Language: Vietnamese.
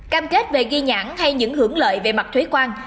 cam kết về ghi nhãn hay những hưởng lợi về mặt thuế quan